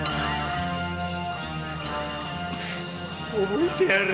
覚えてやがれ。